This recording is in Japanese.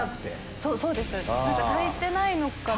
そうです足りてない気も。